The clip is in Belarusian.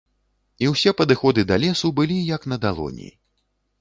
І ўсе падыходы да лесу былі як на далоні.